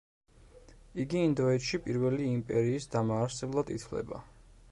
იგი ინდოეთში პირველი იმპერიის დამაარსებლად ითვლება.